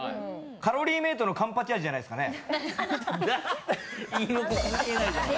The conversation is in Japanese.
カロリーメイトのカンパチ味じゃないですかね。